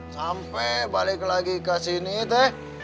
sampai balik lagi ke sini teh